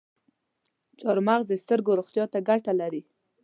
چارمغز د سترګو روغتیا ته ګټه لري.